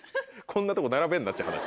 こんなとこ並べんなっちゅう話？